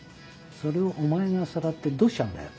それをお前がさらってどうしちゃうんだよ？